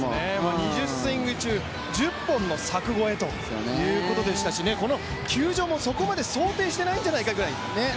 ２０スイング中１０本の柵越えということでしたしこの球場もそこまで想定してないんじゃないかってくらい。